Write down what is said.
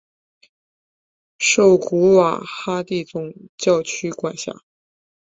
受古瓦哈蒂总教区管辖。